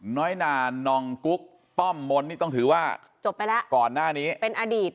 น้อยนานนองกุ๊กป้อมมนที่ต้องถือว่าก่อนหน้านี้